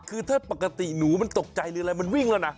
คือถ้าปกติหนูมันตกใจหรืออะไรมันวิ่งแล้วนะ